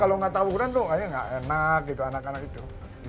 kalau gak tawuran tuh kayaknya gak enak gitu anak anak itu